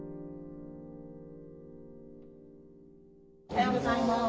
おはようございます。